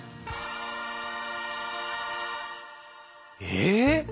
えっ！